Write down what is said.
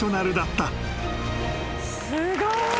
すごい。